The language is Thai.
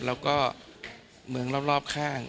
แล้วก็เมืองรอบข้าง